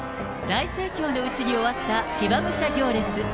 大盛況のうちに終わった騎馬武者行列。